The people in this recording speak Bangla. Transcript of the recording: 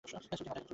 ছবিটা মাথায় রাখুন।